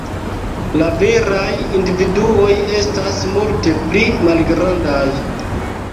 La viraj individuoj estas multe pli malgrandaj.